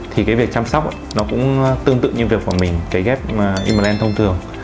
thì cái việc chăm sóc nó cũng tương tự như việc của mình kế ghép im lên thông thường